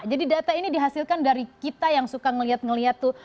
jadi data ini dihasilkan dari kita yang suka ngelihat ngelihat tuh